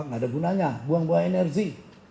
nggak ada gunanya buang buang energi